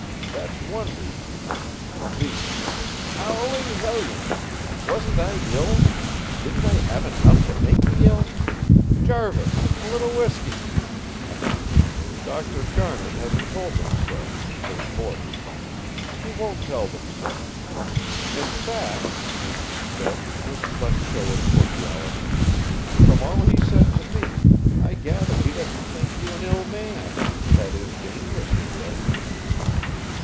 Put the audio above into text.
That's one reason. The " "Howling helions! Wasn't I ill? Didn't I have enough to make me ill? Jarvis, a little whiskey!" "Dr. Garnet hasn't told them so the reporters. He won't tell them so. In fact," Hastings said, with less show of cordiality, "from all he said to me, I gather he doesn't think you an ill man that is, dangerously ill."